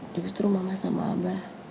justru mama sama abah